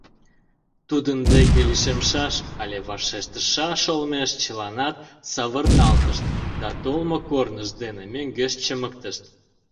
Тудын деке лишемшаш але вашештышаш олмеш, чыланат савырналтышт да толмо корнышт дене мӧҥгеш чымыктышт.